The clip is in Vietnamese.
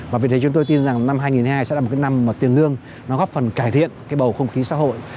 và vì thế chúng tôi tin rằng năm hai nghìn hai mươi hai sẽ là một cái năm tiền lương nó góp phần cải thiện cái bầu không khí xã hội